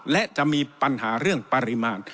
และจะมีปัญหาเรื่องปริมาณ